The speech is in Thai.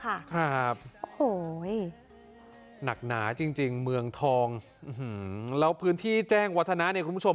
ครับโอ้โหหนักหนาจริงจริงเมืองทองแล้วพื้นที่แจ้งวัฒนะเนี่ยคุณผู้ชม